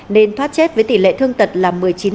nên thoát chết với tỷ lệ thương tật là một mươi chín